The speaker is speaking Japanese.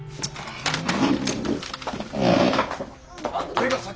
俺が先。